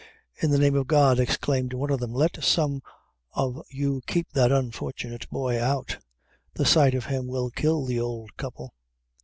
"In the name of God," exclaimed one of them, "let some of you keep that unfortunate boy out; the sight of him will kill the ould couple."